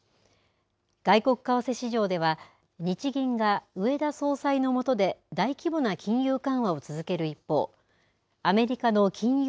外国為替市場では、日銀が植田総裁の下で大規模な金融緩和を続ける一方、アメリカの金融